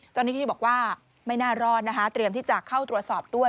เจ้าหน้าที่บอกว่าไม่น่ารอดนะคะเตรียมที่จะเข้าตรวจสอบด้วย